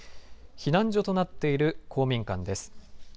避難所となっている公民館です。